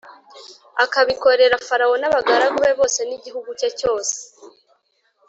akabikorera Farawo n’abagaragu be bose n’igihugu cye cyose,